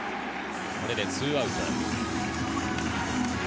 これで２アウト。